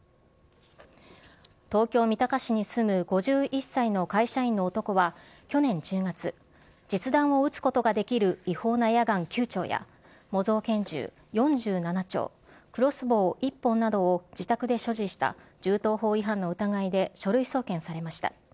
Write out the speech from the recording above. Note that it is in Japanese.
東京・三鷹市に住む５１歳の会社員の男は去年１０月実弾を撃つことができる違法なエアガン９丁や模造拳銃４７丁、クロスボウ１本などを自宅で所持した銃刀法違反の疑いで書類送検されました。